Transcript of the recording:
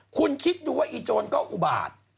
คุณคิดดูว่าอีโจรก็อุบาต